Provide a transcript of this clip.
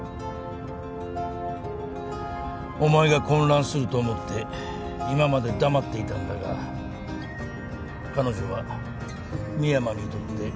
お前が混乱すると思って今まで黙っていたんだが彼女は深山にとって有害な存在だ。